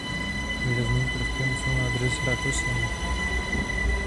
Výrazným prvkem jsou nádrže s rákosem.